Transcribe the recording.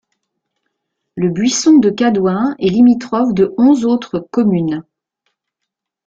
Le Buisson-de-Cadouin est limitrophe de onze autres communes.